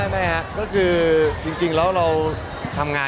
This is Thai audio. ไม่หรือครับ